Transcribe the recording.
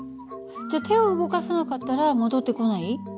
じゃあ手を動かさなかったら戻ってこない？